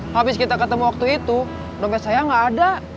habis kita ketemu waktu itu dompet saya nggak ada